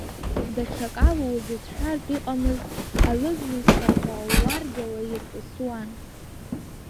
Даҽакала узыцәшәартә иҟамыз алыг Мысҭафа луаргьала ирҵысуан.